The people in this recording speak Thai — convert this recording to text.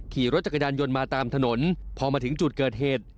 ขี่รถจักรยานยนต์มาตามถนนพอมาถึงจุดเกิดเหตุ